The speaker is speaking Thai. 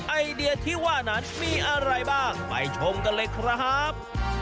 ไอเดียที่ว่านั้นมีอะไรบ้างไปชมกันเลยครับ